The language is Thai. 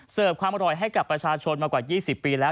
ความอร่อยให้กับประชาชนมากว่า๒๐ปีแล้ว